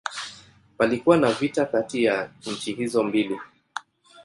Palikuwa na vita kati ya nchi hizo mbili.